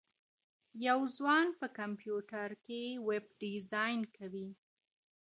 يو ځوان په کمپيوټر کي ويب ډيزاين کوي.